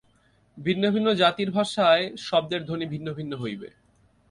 ভিন্ন ভিন্ন জাতির ভাষায় শব্দের ধ্বনি ভিন্ন ভিন্ন হইবে।